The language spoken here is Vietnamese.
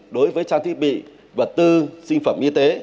đối với trang thiết bị vật tư sinh phẩm y tế